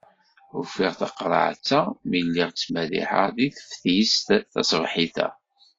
Ufiɣ taqerεet-a mi lliɣ ttmerriḥeɣ deg teftist taṣebḥit-a.